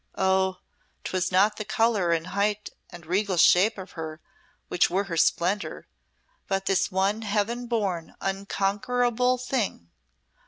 Oh! 'twas not the colour and height and regal shape of her which were her splendour, but this one Heaven born, unconquerable thing.